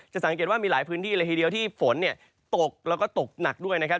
สังเกตว่ามีหลายพื้นที่เลยทีเดียวที่ฝนตกแล้วก็ตกหนักด้วยนะครับ